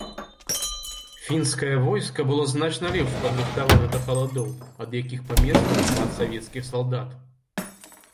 Фінскае войска было значна лепш падрыхтавана да халадоў, ад якіх памерзла шмат савецкіх салдат.